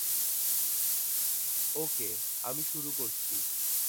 ওকে, আমি শুরু করছি!